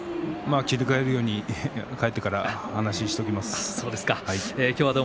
切り替えられるように帰ってから話をしておきます。